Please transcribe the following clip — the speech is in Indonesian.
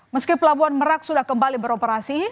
meski pelabuhan merak sudah kembali beroperasi